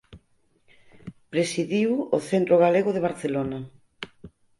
Presidiu o Centro Galego de Barcelona.